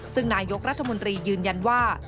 ซึ่งนายกรัฐมนตรียืนยันว่า